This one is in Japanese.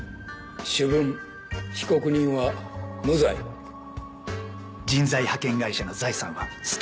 「主文被告人は無罪」人材派遣会社の財産はスタッフです。